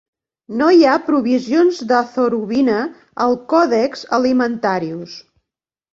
No hi ha provisions d'azorubina al Codex Alimentarius.